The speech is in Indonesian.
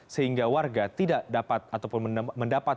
sehingga warga tidak dapat atau mendapatkan